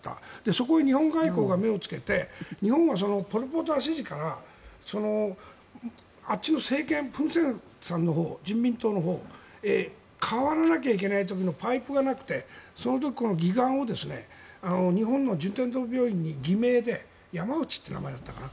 そこへ日本外交が目をつけて日本はポル・ポト派支持からあっちの政権フン・センさんのほう人民党のほうへ変わらなきゃいけない時のパイプがなくてその時、義眼を日本の順天堂病院に偽名でヤマウチって名前だったかな？